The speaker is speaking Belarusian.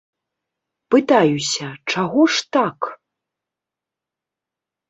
Пытаюся, чаго ж так?